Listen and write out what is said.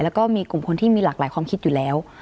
แล้วก็มีกลุ่มคนที่มีหลากหลายความคิดอยู่แล้ว